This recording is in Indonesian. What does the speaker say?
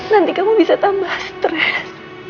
nanti kamu bisa tambah stres